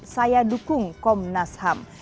saya dukung komnas ham